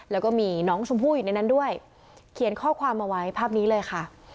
แล้วก็มีน้องชมพู่อยู่ในนั้นด้วยเขียนข้อความเอาไว้ภาพนี้เลยค่ะ